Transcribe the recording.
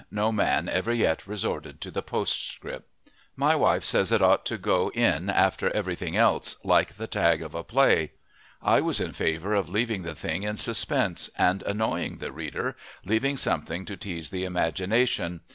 No man ever yet resorted to the postscript. My wife says it ought to go in after everything else, like the tag of a play. I was in favor of leaving the thing in suspense, and annoying the reader leaving something to tease the imagination.